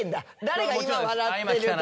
誰が今笑ってるとか。